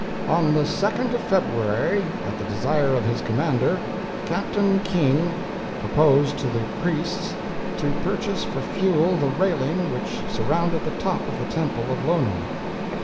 "On the 2d of February, at the desire of his commander, Captain King proposed to the priests to purchase for fuel the railing which surrounded the top of the temple of Lono!